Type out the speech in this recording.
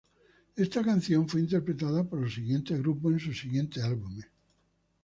Esta canción fue interpretada por los siguientes grupos en sus siguientes álbumes.